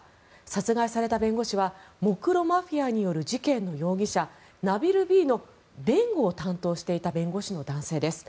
殺害された弁護士はモクロ・マフィアによる事件の容疑者ナビル・Ｂの弁護を担当していた弁護士の男性です。